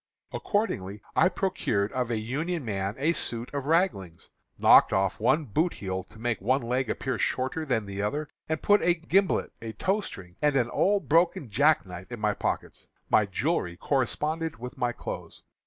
"Accordingly I procured of a Union man a suit of raglings, knocked off one boot heel to make one leg appear shorter than the other, and put a gimblet, a tow string, and an old broken jack knife in my pockets. My jewelry corresponded with my clothes.